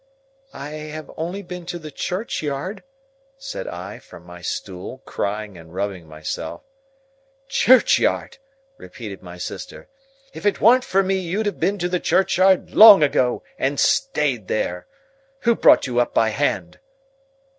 "I have only been to the churchyard," said I, from my stool, crying and rubbing myself. "Churchyard!" repeated my sister. "If it warn't for me you'd have been to the churchyard long ago, and stayed there. Who brought you up by hand?"